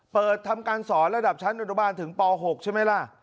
เปิดทำการสอนระดับชั้นอนุบาลถึงป๖ใช่ไหมล่ะ